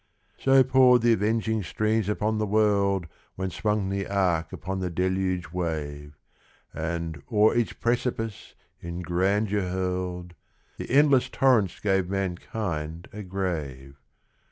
So poured the avenging streams upon the world When swung the ark upon the deluge wave, And, o'er each precipice in grandeur hurled, The endless torrents gave mankind a grave.